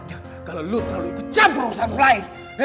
coba kalau lu gak ikut campur urusan mulai